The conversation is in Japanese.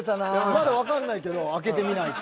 まだわかんないけど開けてみないと。